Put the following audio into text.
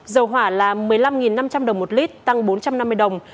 dầu hỏa là một mươi năm năm trăm linh đồng một lít tăng bốn trăm năm mươi đồng